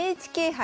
ＮＨＫ杯。